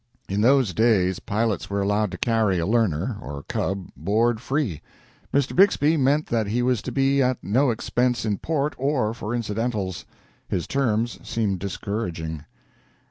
In those days pilots were allowed to carry a learner, or "cub," board free. Mr. Bixby meant that he was to be at no expense in port or for incidentals. His terms seemed discouraging.